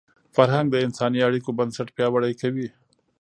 فرهنګ د انساني اړیکو بنسټ پیاوړی کوي.